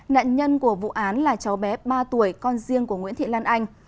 nạn nhân của vụ án là cháu bé ba tuổi con riêng của nguyễn thị lan anh